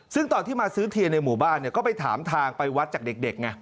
ซึ่งตอนที่มาซื้อเทียนในหมู่บ้านก็ไปถามทางไปวัดจากเด็กไง